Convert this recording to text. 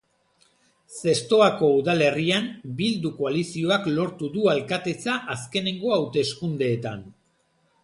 Zestoako udalerrian Bildu koalizioak lortu du alkatetza azkeneko hauteskundeetan.